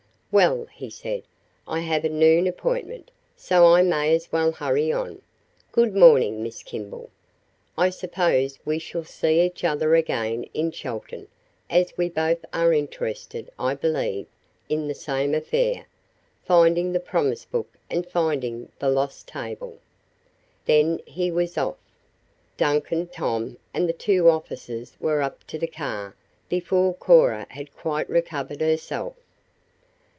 "Well," he said, "I have a noon appointment, so I may as well hurry on. Good morning, Miss Kimball. I suppose we shall see each other again in Chelton, as we both are interested, I believe, in the same affair finding the promise book and finding the lost table." Then he was off. Duncan, Tom and the two officers were up to the car before Cora had quite recovered herself.